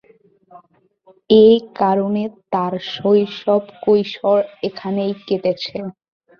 এ কারণে তার শৈশব কৈশোর এখানেই কেটেছে।